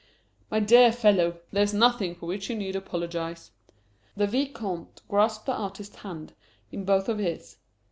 "My dear fellow! There's nothing for which you need apologize." The Vicomte grasped the artist's hand in both of his.